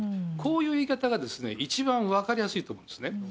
こういう言い方が一番分かりやすいと思うんですね。